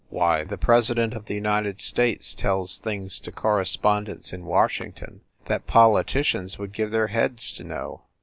Why, the president of the United States tells things to correspondents in Washington that politicians would give their heads to know!